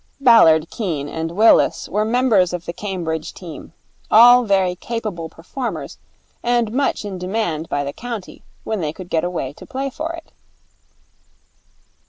Ballard, Keene, and Willis were members of the Cambridge team, all very capable performers and much in demand by the county, when they could get away to play for it.